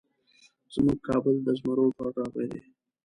زمونږ کابل د زمرو ټاټوبی دی